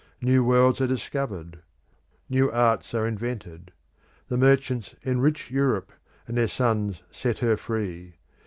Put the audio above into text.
New worlds are discovered, new arts are invented: the merchants enrich Europe, and their sons set her free.